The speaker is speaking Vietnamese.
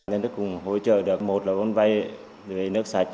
nhân đất cũng hỗ trợ được một là quân vay nước sạch